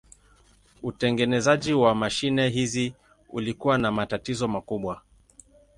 Utengenezaji wa mashine hizi ulikuwa na matatizo makubwa.